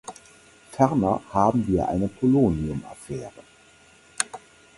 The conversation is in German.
Ferner haben wir eine Polonium-Affäre.